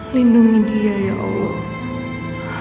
lindungi dia ya allah